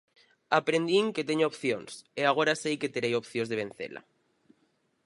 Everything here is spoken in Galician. Aprendín que teño opcións, e agora sei que terei opcións de vencela.